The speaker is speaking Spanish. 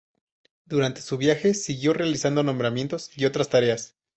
Durante su viaje siguió realizando nombramientos y otras tareas.